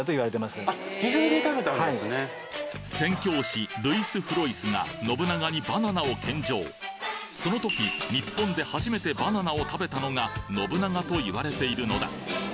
宣教師ルイス・フロイスが信長にバナナを献上その時日本で初めてバナナを食べたのが信長と言われているのだ